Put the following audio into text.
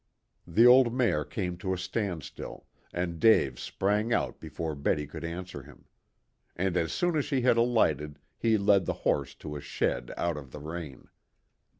The old mare came to a standstill, and Dave sprang out before Betty could answer him. And as soon as she had alighted he led the horse to a shed out of the rain.